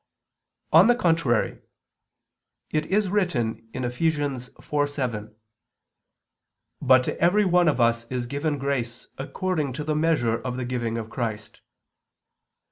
On the contrary, It is written (Eph. 4:7): "But to every one of us is given grace according to the measure of the giving of Christ."